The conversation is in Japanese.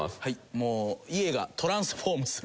もう家がトランスフォームする。